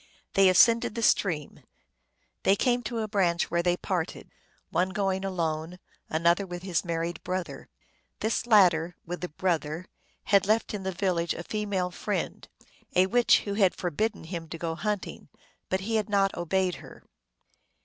They ascended the stream ; they came to a branch, where they parted : one going alone, an other with his married brother. This latter, with the brother, had left in the village a female friend, a witch, who had forbidden him to go hunting, but he had not obeyed her.